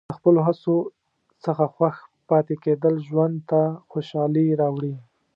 د خپلو هڅو څخه خوښ پاتې کېدل ژوند ته خوشحالي راوړي.